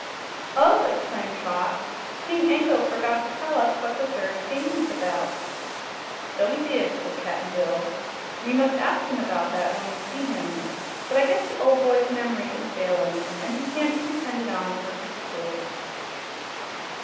"Oh!" exclaimed Trot. "King Anko forgot to tell us what his third pain was about." "So he did," said Cap'n Bill. "We must ask him about that when we see him. But I guess the ol' boy's mem'ry is failin', an' he can't be depended on for pertic'lars."